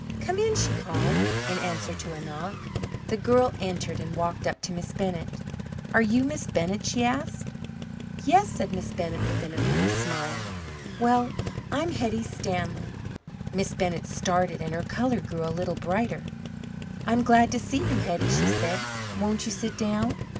Come in!" she called; in answer to a knock. The girl entered, and walked up to Miss Bennett. "Are you Miss Bennett?" she asked. "Yes," said Miss Bennett with an amused smile. "Well, I'm Hetty Stanley." Miss Bennett started, and her colour grew a little brighter. "I'm glad to see you, Hetty." she said, "won't you sit down?"